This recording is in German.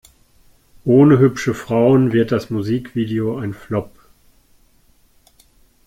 Ohne hübsche Frauen wird das Musikvideo ein Flop.